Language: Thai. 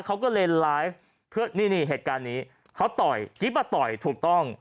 เขาก็เลยไลฟ์เพื่อนี่นี่เหตุการณ์นี้เขาต่อยกิ๊บอ่ะต่อยถูกต้อง